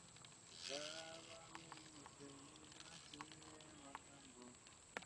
Bwe namaliriza omusomo nayongera okubeera ow’effujjo.